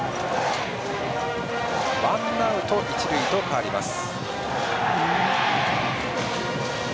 ワンアウト、一塁と変わります。